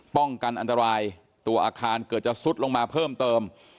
ป้องกันอันตรายตัวอาคารเกิดจะซุดลงมาเพิ่มเติม